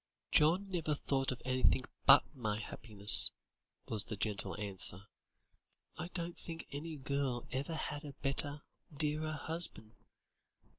"John never thought of anything but my happiness," was the gentle answer. "I don't think any girl ever had a better, dearer husband.